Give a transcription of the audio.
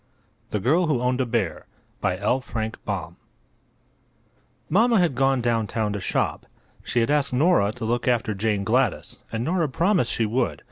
THE GIRL WHO OWNED A BEAR Mamma had gone down town to shop. She had asked Nora to look after Jane Gladys, and Nora promised she would.